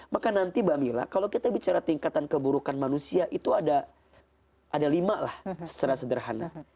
maka nanti mbak mila kalau kita bicara tingkatan keburukan manusia itu ada lima lah secara sederhana